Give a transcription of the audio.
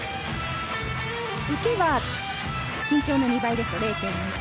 受けは身長の２倍ですと０．２点。